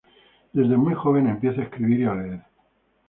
Desde muy joven empieza a escribir y a leer.